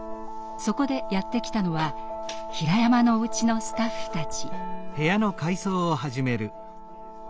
そこでやって来たのはひらやまのお家のスタッフたち。